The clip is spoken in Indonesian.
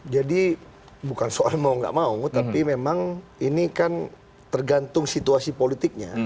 jadi bukan soal mau nggak mau tapi memang ini kan tergantung situasi politiknya